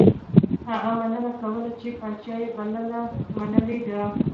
هغه مننه کوله چې پاچا یې بلنه منلې ده.